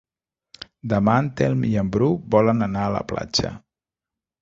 Demà en Telm i en Bru volen anar a la platja.